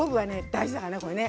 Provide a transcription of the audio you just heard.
大事だからねこれね。